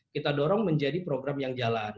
kita dorong menjadi program yang jalan